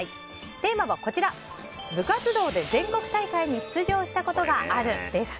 テーマは、部活動で全国大会に出場したことがあるです。